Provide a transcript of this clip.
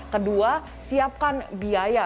kedua siapkan biaya